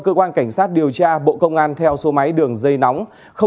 cơ quan cảnh sát điều tra bộ công an theo số máy đường dây nóng